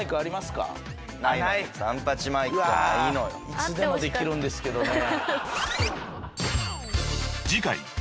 いつでもできるんですけどね。